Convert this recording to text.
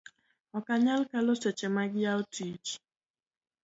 ok anyal kalo seche mag yawo tich